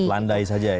landai saja ya